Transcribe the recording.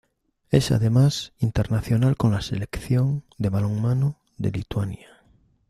Es además, internacional con la Selección de balonmano de Lituania.